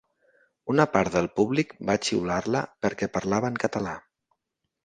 Una part del públic va xiular-la perquè parlava en català.